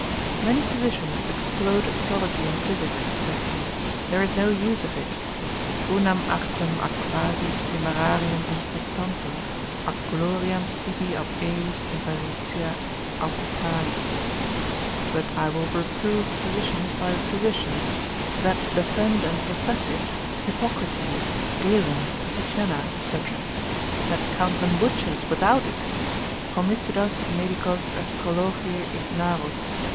Many physicians explode astrology in physic (saith he), there is no use of it, unam artem ac quasi temerarium insectantur, ac gloriam sibi ab ejus imperitia, aucupari: but I will reprove physicians by physicians, that defend and profess it, Hippocrates, Galen, Avicen. &c., that count them butchers without it, homicidas medicos Astrologiae ignaros, &c.